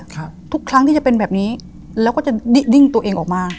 ทุกครั้งที่จะเป็นแบบนี้แล้วก็จะดิ้งดิ้งตัวเองออกมา